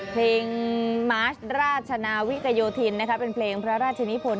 เพลงมาร์ชราชนาวิกโยธินเป็นเพลงพระราชนิพล